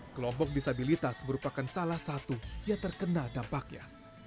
kelompok disabilitas merupakan salah satu yang terkena dampaknya